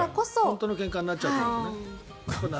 本当のけんかになっちゃうんだね。